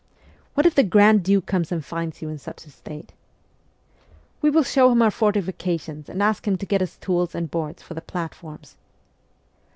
' What if the Grand Duke comes and finds you in such a state !'' We will show him our fortifications and ask him to get us tools and boards for the platforms.'